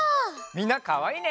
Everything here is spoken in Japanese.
みんなかわいいね。